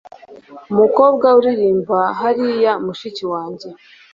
umukobwa uririmba hariya mushiki wanjye